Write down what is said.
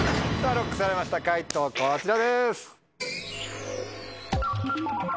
ＬＯＣＫされました解答こちらです。